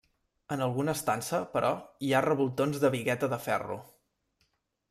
En alguna estança però hi ha revoltons de bigueta de ferro.